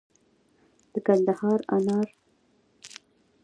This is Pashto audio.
د کندهار انار